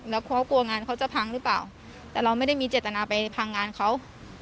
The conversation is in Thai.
แล้วเขากลัวงานเขาจะพังหรือเปล่าแต่เราไม่ได้มีเจตนาไปพังงานเขา